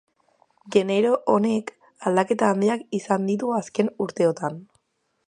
Genero honek aldaketa handiak izan ditu azken urteotan.